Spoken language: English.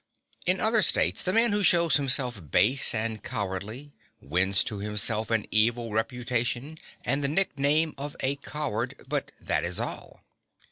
In other states the man who shows himself base and cowardly wins to himself an evil reputation and the nickname of a coward, but that is all.